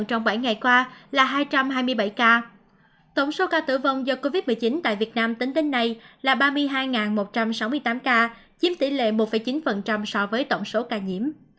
tổng số ca tử vong do covid một mươi chín tại việt nam tính tính này là ba mươi hai một trăm sáu mươi tám ca chiếm tỷ lệ một chín so với tổng số ca nhiễm